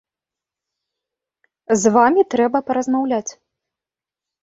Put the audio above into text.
З вамі трэба паразмаўляць.